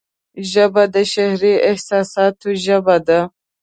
ژبه د شعري احساساتو ژبه ده